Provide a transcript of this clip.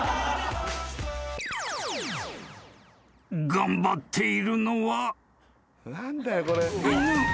［頑張っているのは］